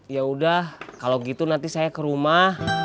yaudah kalau gitu nanti saya ke rumah